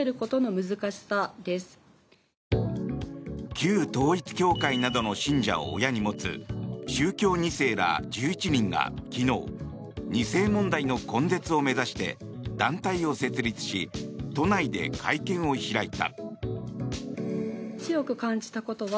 旧統一教会などの信者を親に持つ宗教２世ら１１人が昨日２世問題の根絶を目指して団体を設立し都内で会見を開いた。